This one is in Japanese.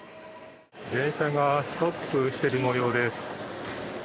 電車がストップしているもようです。